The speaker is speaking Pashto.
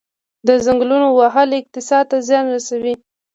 د ځنګلونو وهل اقتصاد ته زیان رسوي؟